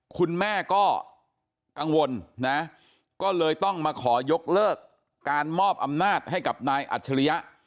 คุณแม่ก็กังวลนะก็เลยต้องมาขอยกเลิกการมอบอำนาจให้กับนายอัจฉริยะ